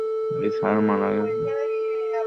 তুমি নিশ্চয়ই কিছু বোঝোনি।